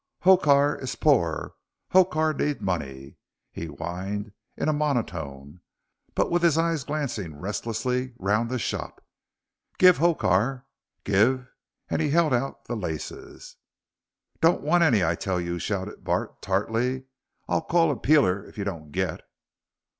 "Hokar is poor: Hokar need money," he whined in a monotone, but with his eyes glancing restlessly round the shop. "Give Hokar give," and he held out the laces. "Don't want any, I tell you," shouted Bart, tartly. "I'll call a peeler if you don't git."